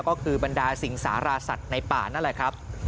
ก็คือบรรดาสิงสาราสัตว์ในป่านั่นแหละครับ